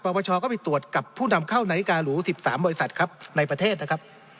ปปชก็ไปตรวจกับผู้นำเข้านาฬิการู๑๓บริษัทครับในประเทศนะครับ